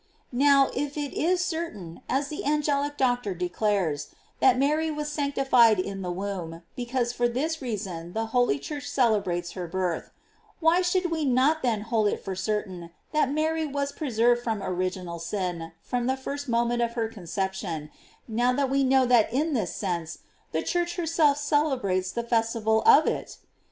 * Now if it is certain, as the angelic Doctor declares, that Mary was sanctified in the womb, because for this reason the holy Church celebrates her birth ; why should we not then hold it for certain that Mary was preserved from original sin from the first moment of her conception, now that we know that in this sense the Church herself celebrates the festival of it